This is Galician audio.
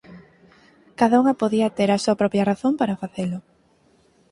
Cada unha podía ter a súa propia razón para facelo.